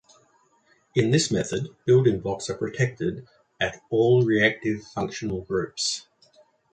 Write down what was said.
In this method, building blocks are protected at all reactive functional groups.